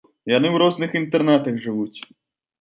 Яны ў розных інтэрнатах жывуць.